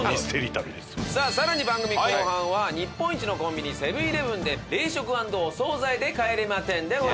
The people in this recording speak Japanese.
さあ更に番組後半は日本一のコンビニセブン−イレブンで冷食＆お惣菜で『帰れま１０』でございます。